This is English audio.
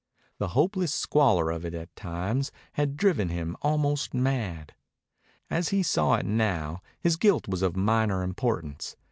The hopeless squalor of it at times had driven him almost mad. As he saw it now, his guilt was of minor importance.